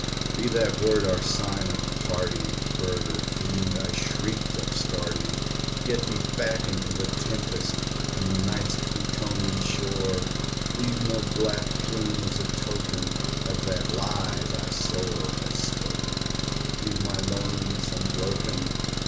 "Be that word our sign of parting, bird or fiend!" I shrieked, upstarting "Get thee back into the tempest and the Night's Plutonian shore! Leave no black plume as a token of that lie thy soul hath spoken! Leave my loneliness unbroken!